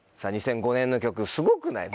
２００５年の曲すごくない？